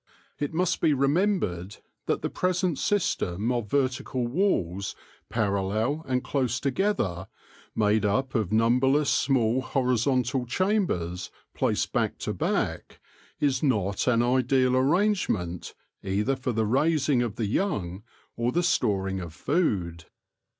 It must be remembered that the present system of ver tical walls parallel and close together, made up of numberless small horizontal chambers placed back to back, is not an ideal arrangement either for the raising of the young or the storing of food.